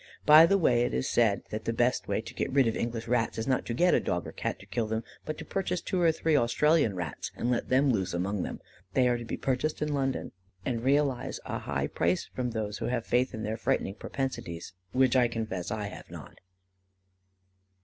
By the way, it is said that the best way to get rid of English rats is not to get a Dog or Cat to kill them, but to purchase two or three Australian rats, and let them loose among them. They are to be purchased in London, and realise a high price from those who have faith in their frightening propensities, which I confess I have not.